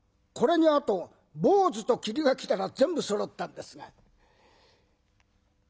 これにあと坊主と桐が来たら全部そろったんですが。